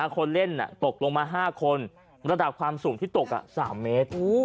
คนเล่นตกลงมา๕คนระดับความสูงที่ตก๓เมตร